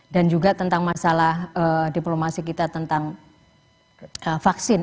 dan juga tentang masalah diplomasi kita tentang vaksin